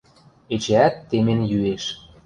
Эчеӓт темен йӱэш.